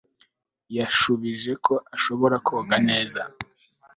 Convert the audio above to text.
Yashubije ko ashobora koga neza